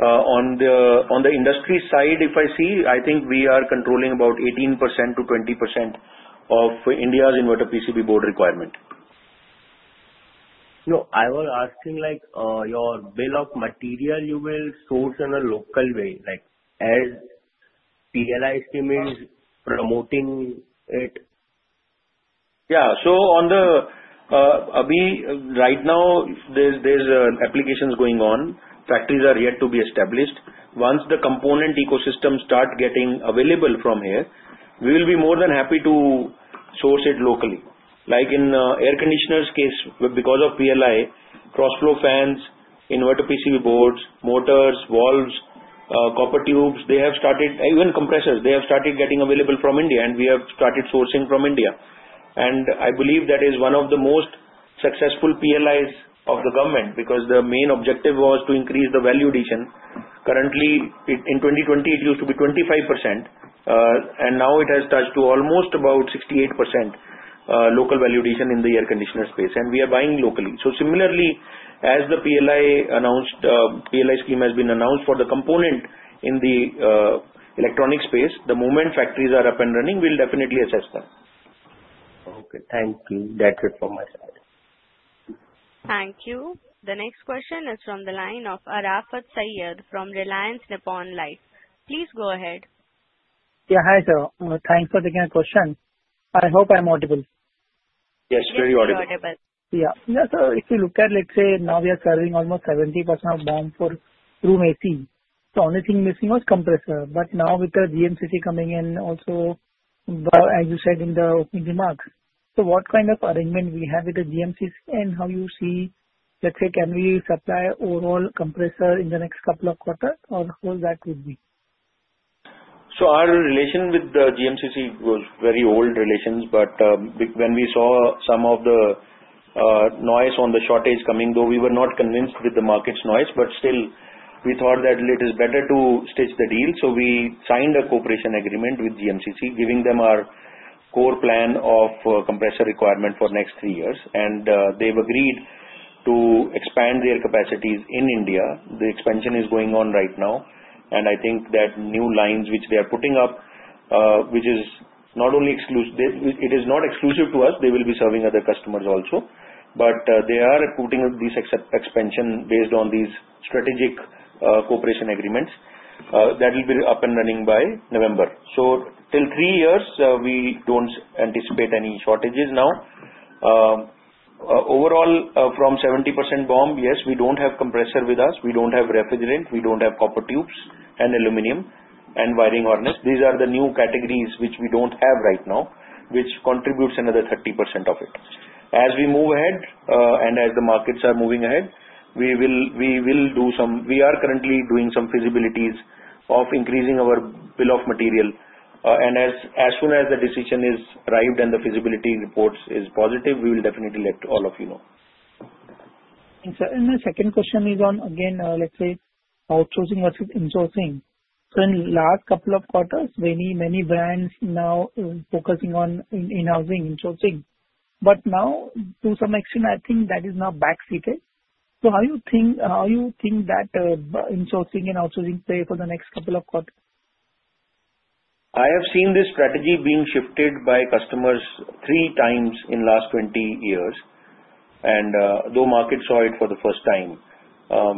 On the industry side, if I see, I think we are controlling about 18% to 20% of India's inverter PCB board requirement. No, I was asking, like, your bill of material you will source in a local way, like as the PLI scheme is promoting it. Yeah. Right now, there's applications going on. Factories are yet to be established. Once the component ecosystem starts getting available from here, we will be more than happy to source it locally. Like in the air conditioners case, because of PLI, cross-flow fans, inverter PCB boards, motors, valves, copper tubes, they have started, even compressors, they have started getting available from India. We have started sourcing from India. I believe that is one of the most successful PLIs of the government because the main objective was to increase the value addition. In 2020, it used to be 25%, and now it has touched almost about 68% local value addition in the air conditioner space. We are buying locally. Similarly, as the PLI scheme has been announced for the component in the electronics space, the moment factories are up and running, we will definitely assess them. Okay, thank you. That's it from my side. Thank you. The next question is from the line of Arafat Saiyed from Reliance Nippon Life. Please go ahead. Yeah, hi sir. Thanks for taking the question. I hope I'm audible. Yes, sir. You're audible. Yeah. Yeah, sir. If you look at, let's say, now we are serving almost 70% of bond for Room AC. The only thing missing was compressor. Now with the GMCC coming in also, as you said in the opening remarks, what kind of arrangement do we have with the GMCC, and how do you see, let's say, can we supply overall compressor in the next couple of quarters or how would that be? Our relation with GMCC was a very old relation. When we saw some of the noise on the shortage coming, though we were not convinced with the market's noise, we thought that it is better to stitch the deal. We signed a cooperation agreement with GMCC, giving them our core plan of compressor requirement for the next three years. They've agreed to expand their capacities in India. The expansion is going on right now. I think that new lines which they are putting up, which is not only exclusive, it is not exclusive to us. They will be serving other customers also. They are putting up this expansion based on these strategic cooperation agreements that will be up and running by November. Till three years, we don't anticipate any shortages now. Overall, from 70% bond, yes, we don't have compressor with us. We don't have refrigerant. We don't have copper tubes and aluminum and wiring harness. These are the new categories which we don't have right now, which contributes another 30% of it. As we move ahead and as the markets are moving ahead, we will do some, we are currently doing some feasibilities of increasing our bill of material. As soon as the decision is arrived and the feasibility reports are positive, we will definitely let all of you know. Thanks, sir. The second question is on, again, let's say, outsourcing versus insourcing. In the last couple of quarters, many, many brands now are focusing on in-housing insourcing. To some extent, I think that is now backseated. How do you think that insourcing and outsourcing play for the next couple of quarters? I have seen this strategy being shifted by customers three times in the last 20 years. Those markets saw it for the first time. Our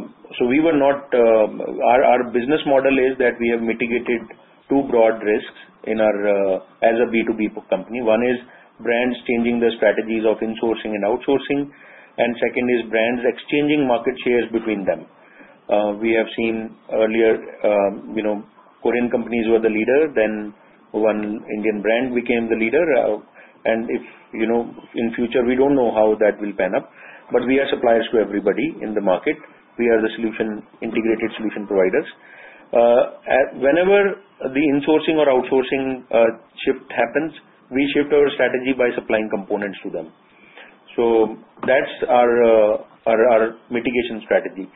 business model is that we have mitigated two broad risks in our, as a B2B company. One is brands changing their strategies of insourcing and outsourcing. The second is brands exchanging market shares between them. We have seen earlier, you know, Korean companies were the leader. Then one Indian brand became the leader. In the future, we don't know how that will pan out. We are suppliers to everybody in the market. We are the integrated solution providers. Whenever the insourcing or outsourcing shift happens, we shift our strategy by supplying components to them. That's our mitigation strategy.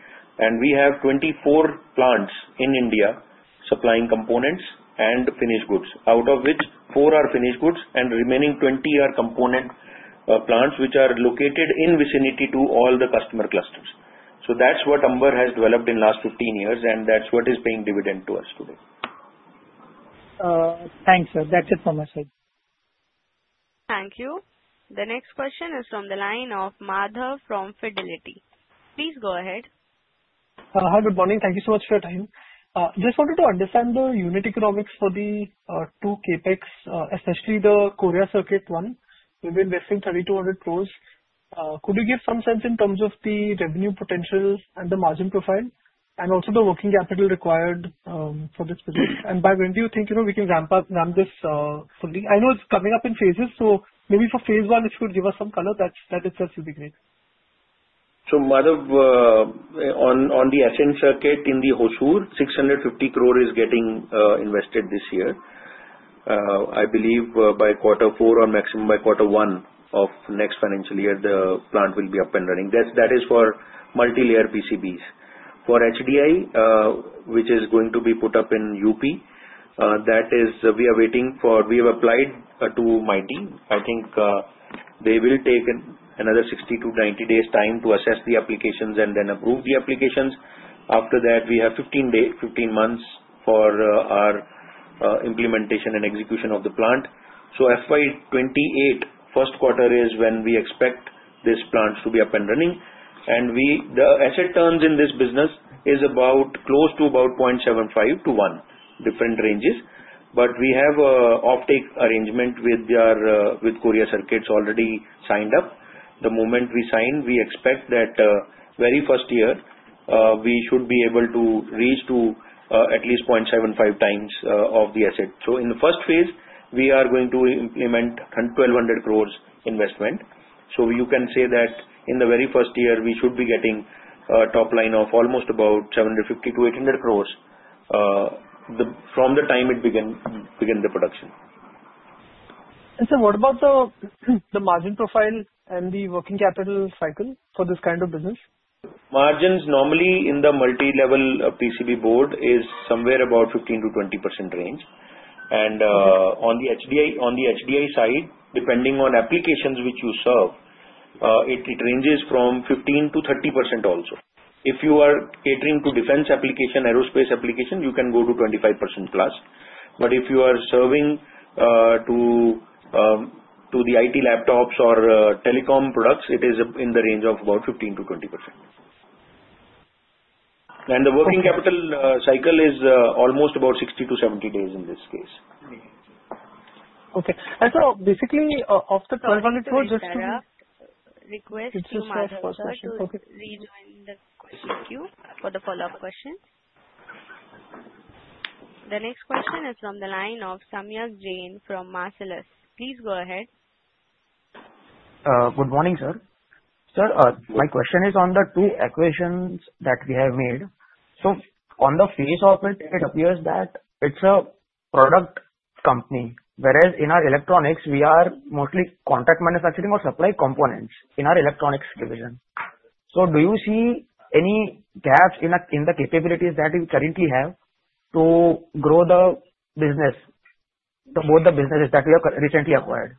We have 24 plants in India supplying components and finished goods, out of which 4 are finished goods and the remaining 20 are component plants which are located in the vicinity to all the customer clusters. That's what Amber has developed in the last 15 years, and that's what is paying dividends to us today. Thanks, sir. That's it from my side. Thank you. The next question is from the line of Madhav from Fidelity. Please go ahead. Hi. Good morning. Thank you so much for your time. I just wanted to understand the unit economics for the two CapEx, especially the Korea Circuits one. We've been investing 3,200 crores. Could you give some sense in terms of the revenue potential and the margin profile, and also the working capital required for this business? By when do you think, you know, we can ramp up this fully? I know it's coming up in phases. For phase one, if you could give us some color, that itself would be great. Madhav, on the Ascent Circuits in Hosur, 650 crores is getting invested this year. I believe by quarter four or maximum by quarter one of the next financial year, the plant will be up and running. That is for multi-layer PCBs. For HDI, which is going to be put up in UP, we are waiting for, we have applied to MITI. I think they will take another 60-90 days' time to assess the applications and then approve the applications. After that, we have 15 months for our implementation and execution of the plant. FY 2028, first quarter, is when we expect this plant to be up and running. The asset turns in this business are close to about 0.75 to 1, different ranges. We have an offtake arrangement with Korea Circuits already signed up. The moment we sign, we expect that the very first year, we should be able to reach at least 0.75x of the asset. In the first phase, we are going to implement 1,200 crores investment. You can say that in the very first year, we should be getting a top line of almost about 750-800 crores from the time it begins the production. What about the margin profile and the working capital cycle for this kind of business? Margins normally in the multi-level PCB board is somewhere about 15%-20% range. On the HDI side, depending on applications which you serve, it ranges from 15%-30% also. If you are catering to defense applications, aerospace applications, you can go to 25%+. If you are serving to the IT laptops or telecom products, it is in the range of about 15%-20%. The working capital cycle is almost about 60 to 70 days in this case. Okay. Basically, of the 1,200 crores, just to. We have a request. It's just for a short session. We'll rejoin the question queue for the follow-up questions. The next question is from the line of Samyak Jain from Marcellus. Please go ahead. Good morning, sir. Sir, my question is on the two acquisitions that we have made. On the face of it, it appears that it's a product company, whereas in our electronics, we are mostly contract manufacturing or supply components in our electronics division. Do you see any gaps in the capabilities that we currently have to grow the business, to both the businesses that we have recently acquired?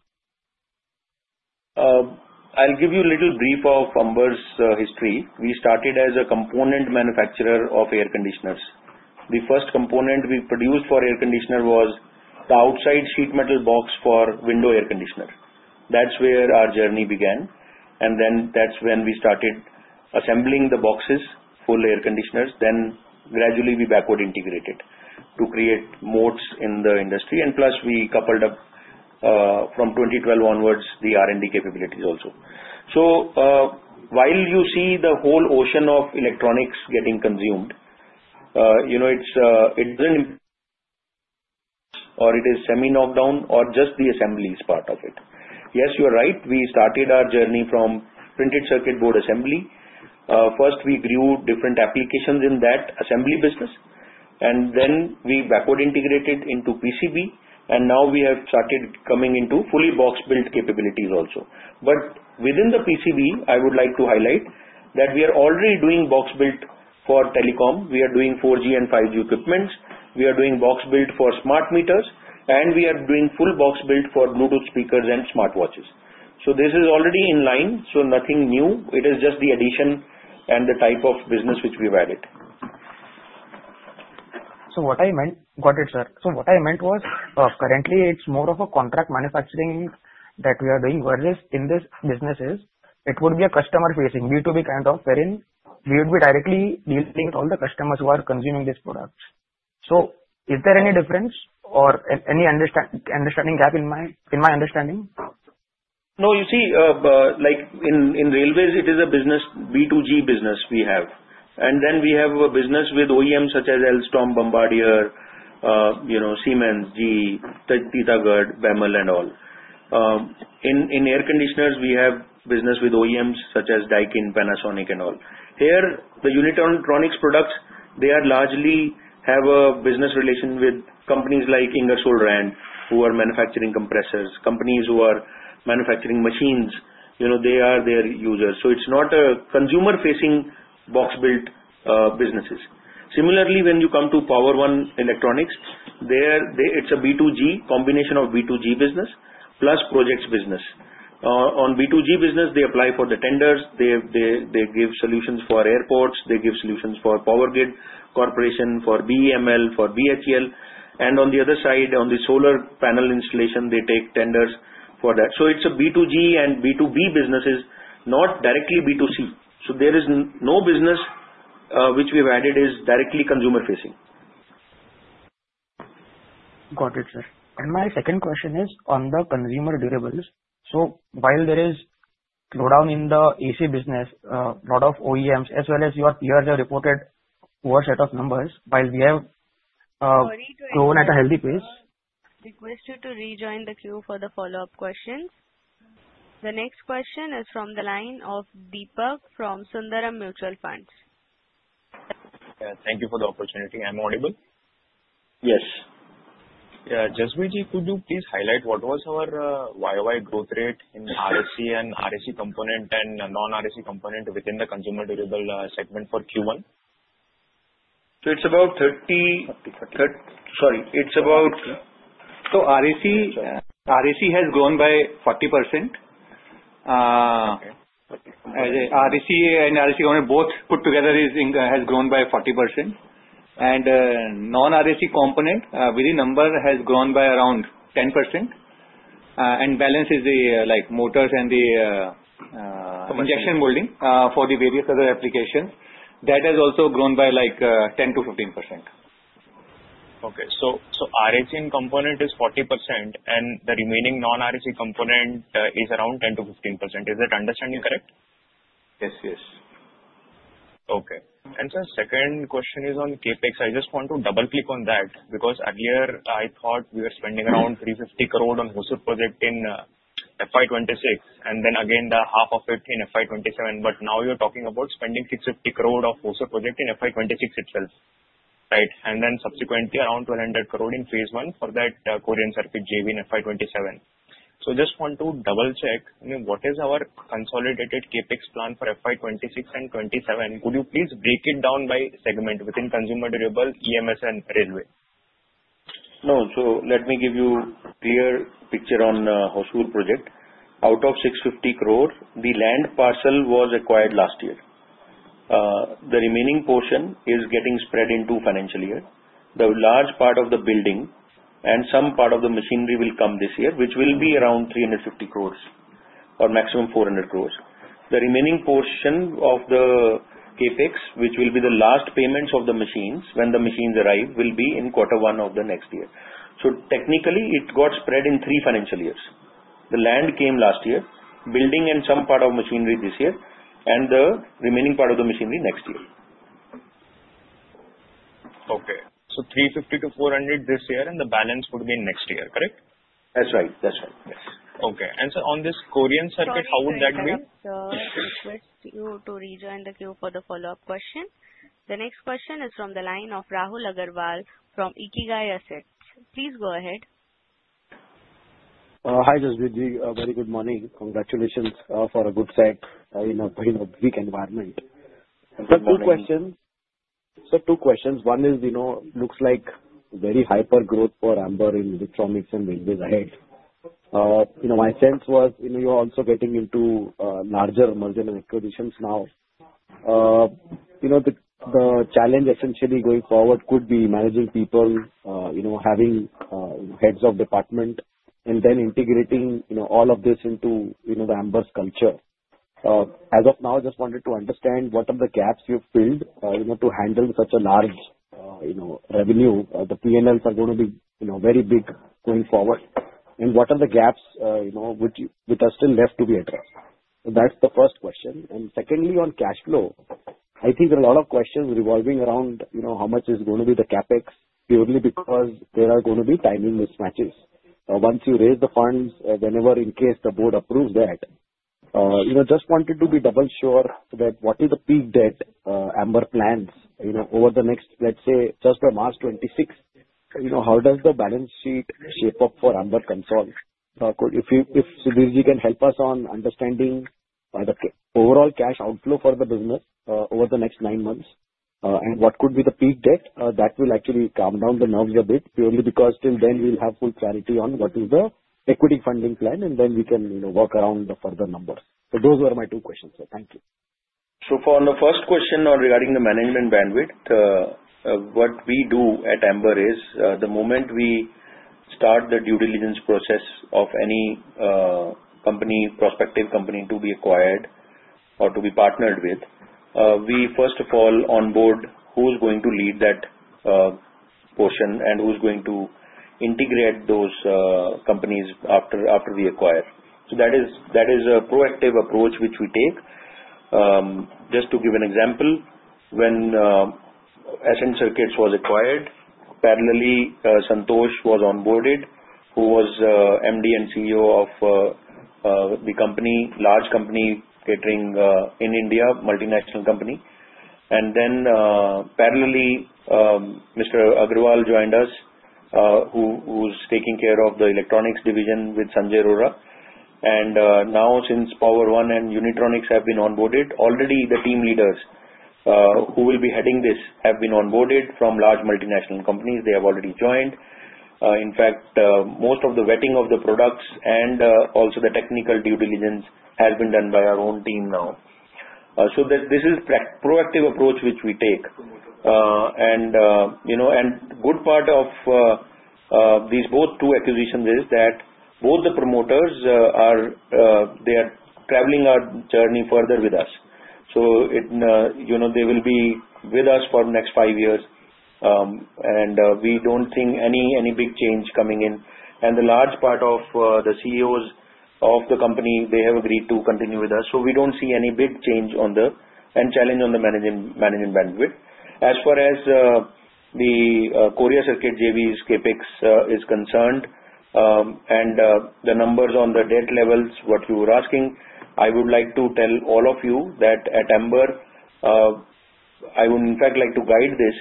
I'll give you a little brief of Amber's history. We started as a component manufacturer of air conditioners. The first component we produced for air conditioners was the outside sheet metal box for window air conditioners. That's where our journey began. That's when we started assembling the boxes for air conditioners. Gradually, we backward integrated to create modes in the industry. Plus, we coupled up from 2012 onwards the R&D capabilities also. While you see the whole ocean of electronics getting consumed, you know, it doesn't or it is semi-knocked down or just the assembly is part of it. Yes, you're right. We started our journey from printed circuit board assembly. First, we grew different applications in that assembly business. We backward integrated into PCB. Now we have started coming into fully box-built capabilities also. Within the PCB, I would like to highlight that we are already doing box-built for telecom. We are doing 4G and 5G equipment. We are doing box-built for smart meters. We are doing full box-built for Bluetooth speakers and smartwatches. This is already in line. Nothing new. It is just the addition and the type of business which we have added. What I meant was currently, it's more of a contract manufacturing that we are doing. Whereas in these businesses, it would be a customer-facing B2B kind of wherein we would be directly dealing with all the customers who are consuming these products. Is there any difference or any understanding gap in my understanding? No. You see, like in railways, it is a B2G business we have. Then we have a business with OEMs such as Alstom, Bombardier, Siemens, GE, Thetagard, Bemel, and all. In air conditioners, we have business with OEMs such as Daikin, Panasonic, and all. Here, the unit electronics products, they largely have a business relation with companies like Ingersoll Rand, who are manufacturing compressors, companies who are manufacturing machines. They are their users. It's not a consumer-facing box-built business. Similarly, when you come to Power One Microsystems, it's a combination of B2G business plus projects business. On B2G business, they apply for the tenders. They give solutions for airports. They give solutions for Power Grid Corporation, for BEML, for BHEL. On the other side, on the solar panel installation, they take tenders for that. It's a B2G and B2B business, not directly B2C. There is no business which we have added that is directly consumer-facing. Got it, sir. My second question is on the consumer durables. While there is a slowdown in the AC business, a lot of OEMs, as well as your peers, have reported a worse set of numbers while we have grown at a healthy pace. Request you to rejoin the queue for the follow-up questions. The next question is from the line of Deepak from Sundaram Mutual Funds. Thank you for the opportunity. I'm audible? Yes. Yes. Jaspreet Ji, could you please highlight what was our YOY growth rate in RAC and RAC component and non-RAC component within the consumer durable segment for Q1? It's about 30%. Sorry, it's about. Okay. RAC has grown by 40%. RAC and RAC components both put together have grown by 40%. The non-RAC component within that number has grown by around 10%. The balance is the motors and the injection molding for the various other applications. That has also grown by like 10%-15%. Okay. RSE component is 40%, and the remaining non-RSE component is around 10%-15%. Is that understanding correct? Yes, yes. Okay. Sir, the second question is on CapEx. I just want to double-click on that because earlier, I thought we were spending around 350 crores on the Hosur project in FY 2026, and then again half of it in FY 2027. Now you're talking about spending 650 crores on the Hosur project in FY 2026 itself, right? Subsequently, around 1,200 crores in phase one for that Korea Circuits JV in FY 2027. I just want to double-check, what is our consolidated CapEx plan for FY 2026 and FY 2027? Could you please break it down by segment within consumer durable, EMS, and railway? No. Let me give you a clear picture on the Hosur project. Out of 650 crores, the land parcel was acquired last year. The remaining portion is getting spread into the financial year. The large part of the building and some part of the machinery will come this year, which will be around 350 crores or maximum 400 crores. The remaining portion of the CapEx, which will be the last payments of the machines when the machines arrive, will be in quarter one of the next year. Technically, it got spread in three financial years. The land came last year, building and some part of machinery this year, and the remaining part of the machinery next year. Okay. 350 to 400 this year, and the balance would be in next year, correct? That's right. Yes. Okay. Sir, on this Korea Circuits, how would that be? Thank you, sir. We request you to rejoin the queue for the follow-up questions. The next question is from the line of Rahul Agarwal from Ikigai Assets. Please go ahead. Hi, Jaspreet Ji. Very good morning. Congratulations for a good set in a weak environment. Sir, two questions. One is, you know, it looks like very hyper growth for Amber in electronics and windows ahead. You know, my sense was, you know, you're also getting into larger mergers and acquisitions now. The challenge Ascentially going forward could be managing people, you know, having heads of department, and then integrating, you know, all of this into, you know, Amber's culture. As of now, I just wanted to understand what are the gaps you've filled, you know, to handle such a large, you know, revenue. The P&Ls are going to be, you know, very big going forward. What are the gaps, you know, which are still left to be addressed? That's the first question. Secondly, on cash flow, I think there are a lot of questions revolving around, you know, how much is going to be the CapEx purely because there are going to be timing mismatches. Once you raise the funds, whenever in case the board approves that, you know, I just wanted to be double sure that what is the peak debt Amber plans, you know, over the next, let's say, just by March 2026? You know, how does the balance sheet shape up for Amber? If you, if Sudhir Ji, can help us on understanding the overall cash outflow for the business over the next nine months and what could be the peak debt, that will actually calm down the nerves a bit, purely because till then, we'll have full clarity on what is the equity funding plan. Then we can, you know, work around the further numbers. Those were my two questions, sir. Thank you. For the first question regarding the management bandwidth, what we do at Amber is, the moment we start the due diligence process of any prospective company to be acquired or to be partnered with, we first of all onboard who's going to lead that portion and who's going to integrate those companies after we acquire. That is a proactive approach which we take. Just to give an example, when Ascent Circuits was acquired, parallely, Santosh was onboarded, who was MD and CEO of the company, large company catering in India, multinational company. Parallely, Mr. Agarwal joined us, who was taking care of the electronics division with Sanjay Rohra. Now, since Power One Microsystems and Unitronics Israel have been onboarded, already the team leaders who will be heading this have been onboarded from large multinational companies. They have already joined. In fact, most of the vetting of the products and also the technical due diligence has been done by our own team now. This is a proactive approach which we take, and a good part of these both two acquisitions is that both the promoters are traveling our journey further with us. They will be with us for the next five years, and we don't think any big change coming in. The large part of the CEOs of the company, they have agreed to continue with us. We don't see any big change and challenge on the management bandwidth. As far as the Korea Circuits JV's CapEx is concerned, and the numbers on the debt levels, what you were asking, I would like to tell all of you that at Amber, I would, in fact, like to guide this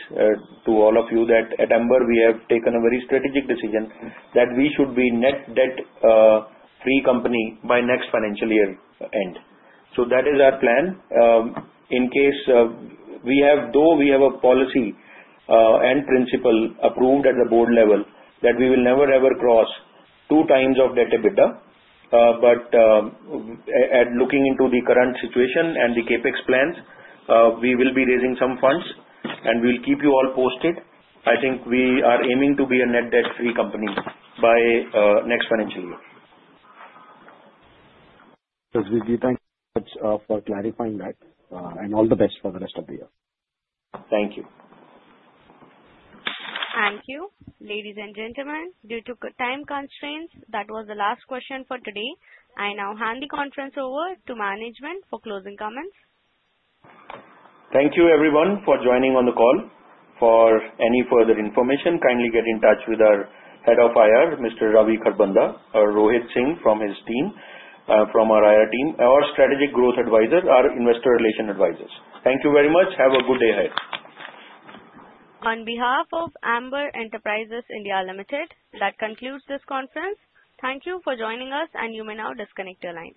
to all of you that at Amber, we have taken a very strategic decision that we should be a net debt-free company by next financial year's end. That is our plan. In case, we have, though we have a policy and principle approved at the board level that we will never, ever cross two times of debt EBITDA, but looking into the current situation and the CapEx plans, we will be raising some funds. We'll keep you all posted. I think we are aiming to be a net debt-free company by next financial year. Jaspreet Singh, thank you so much for clarifying that, and all the best for the rest of the year. Thank you. Thank you. Ladies and gentlemen, due to time constraints, that was the last question for today. I now hand the conference over to management for closing comments. Thank you, everyone, for joining on the call. For any further information, kindly get in touch with our Head of HR, Mr. Ravi Karbanda, or Rohit Singh from his team, from our HR team, our Strategic Growth Advisor, or our Investor Relations Advisors. Thank you very much. Have a good day ahead. On behalf of Amber Enterprises India Limited, that concludes this conference. Thank you for joining us. You may now disconnect your line.